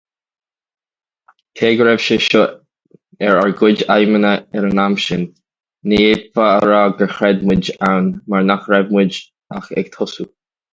Cé go raibh sé seo ar ár gcuid aidhmeanna ag an am sin, ní fhéadfá a rá gur chreid muid ann mar nach raibh muid ach ag tosú.